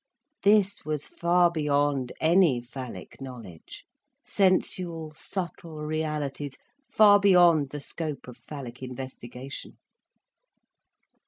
This was far beyond any phallic knowledge, sensual subtle realities far beyond the scope of phallic investigation.